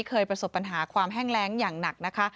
เคยประสบปัญหาความแห้งแรงอย่างหนักนะคะ